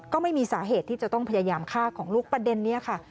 ก็ไม่มีสาเหตุที่จะต้องพยายามฆ่าของลูกประเด็นนี้ค่ะ